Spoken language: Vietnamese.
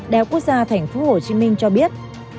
đh tp hcm cho biết